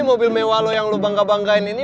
mobil mewah lo yang lo bangga banggain ini